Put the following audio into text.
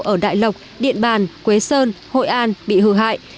ở đại lộc điện bàn quế sơn hội an bị hư hại